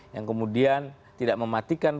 yang kemudian tidak mematikan